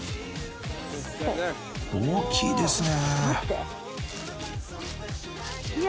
［大きいですね］